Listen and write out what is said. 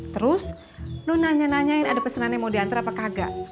terus lo nanya nanyain ada pesenannya mau diantar apa kagak